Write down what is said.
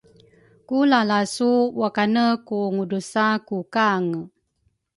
ku lalasu wakane ku ngudusa ku kange.